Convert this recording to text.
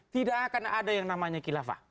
tidak akan ada yang namanya khilafah